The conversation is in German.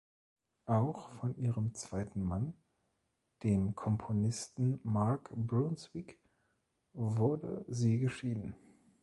Auch von ihrem zweiten Mann, dem Komponisten Mark Brunswick, wurde sie geschieden.